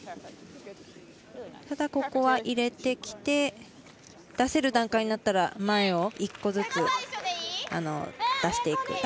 ただ、ここは入れてきて出せる段階になったら前を１個ずつ出していく。